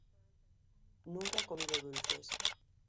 Nunca he comido dulces".